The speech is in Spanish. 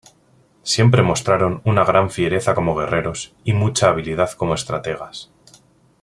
Siempre mostraron una gran fiereza como guerreros y mucha habilidad como estrategas.